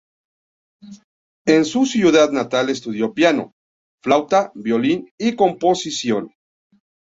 En su ciudad natal estudió piano, flauta, violín y composición.